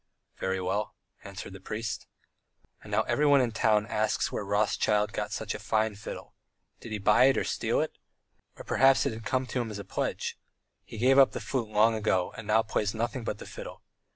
"Very well," answered the priest. And now everyone in the town asks where Rothschild got such a fine fiddle. Did he buy it or steal it? Or perhaps it had come to him as a pledge. He gave up the flute long ago, and now plays nothing but the fiddle.